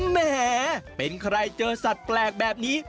แหมเป็นใครเจอสัตว์แปลกแบบนี้